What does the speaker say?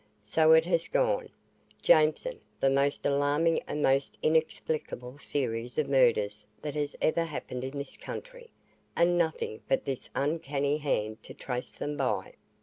So it has gone, Jameson the most alarming and most inexplicable series of murders that has ever happened in this country. And nothing but this uncanny hand to trace them by."